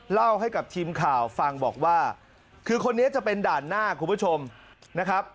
เล่าให้กับทีมข่าวฟังบอกว่าคือคนนี้จะเป็นด่านหน้าคุณผู้ชมนะครับ